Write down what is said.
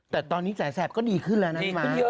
แต่ตอนนี้แสนแสบก็ดีขึ้นแล้วนั้นมา